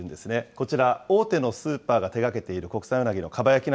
こちら、大手のスーパーが手がけている国産うなぎのかば焼き